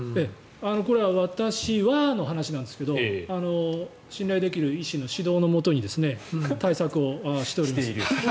これは私はの話なんですけど信頼できる医師の指導のもとに対策をしております。